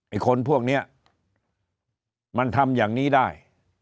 ไอ้คนพวกนี้มันทำอย่างนี้ได้